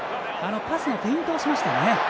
パスのフェイントをしましたね。